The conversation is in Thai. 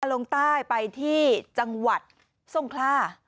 ไอ้นายมารงใต้ไปที่จังหวัดส่งคล่า